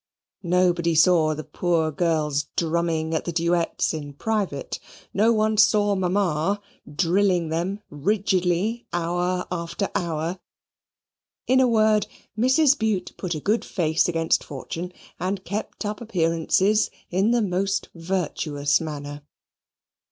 Nobody saw the poor girls drumming at the duets in private. No one saw Mamma drilling them rigidly hour after hour. In a word, Mrs. Bute put a good face against fortune and kept up appearances in the most virtuous manner.